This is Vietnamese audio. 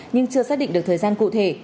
nhưng chưa xác định được thời gian cụ thể